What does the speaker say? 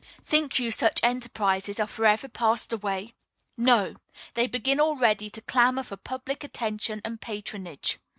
Think you such enterprises are forever passed away? No! they begin already to clamor for public attention and patronage.